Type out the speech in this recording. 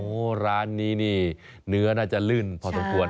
โอ้โหร้านนี้นี่เนื้อน่าจะลื่นพอสมควร